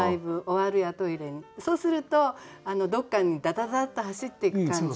そうするとどっかにダダダッと走っていく感じ。